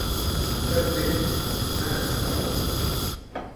Nu tad zini: es neesmu samulsusi.